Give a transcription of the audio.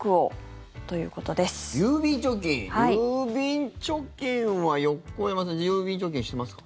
郵便貯金は横山さん、郵便貯金してますか？